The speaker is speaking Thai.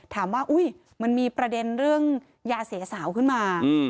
ว่าอุ๊ยมันมีประเด็นเรื่องยาเสียสาวขึ้นมา